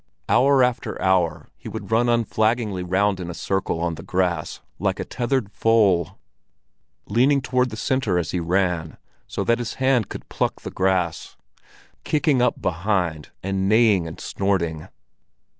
Hour after hour he would run unflaggingly round in a circle on the grass, like a tethered foal, leaning toward the center as he ran, so that his hand could pluck the grass, kicking up behind, and neighing and snorting.